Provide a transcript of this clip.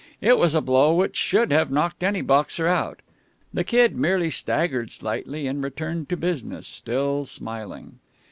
It was a blow which should have knocked any boxer out. The Kid merely staggered slightly, and returned to business still smiling.